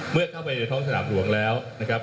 เมื่อเข้าไปในท้องสนามหลวงแล้ว